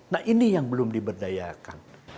nah ini yang belum diberdayakan